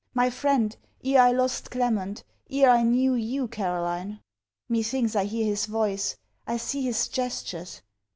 My friend, ere I lost Clement, ere I knew you, Caroline. Methinks I hear his voice; I see his gestures.